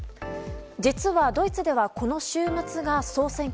実はドイツではこの週末が総裁選。